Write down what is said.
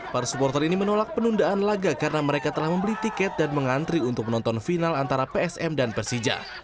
para supporter ini menolak penundaan laga karena mereka telah membeli tiket dan mengantri untuk menonton final antara psm dan persija